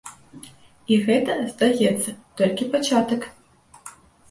І гэта, здаецца, толькі пачатак.